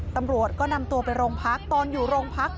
ตำรวจก็นำตัวไปโรงพักตอนอยู่โรงพัก